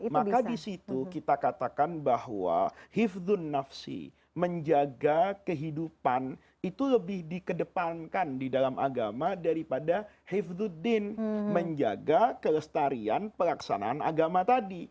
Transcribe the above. maka disitu kita katakan bahwa hifdun nafsi menjaga kehidupan itu lebih dikedepankan di dalam agama daripada hifduddin menjaga kelestarian pelaksanaan agama tadi